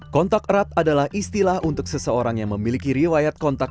kontak erat adalah istilah untuk seseorang yang memiliki riwayat kontak